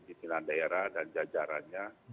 dan daerah dan jajarannya